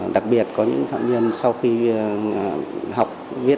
đặc biệt có những phạm nhân sau khi học viết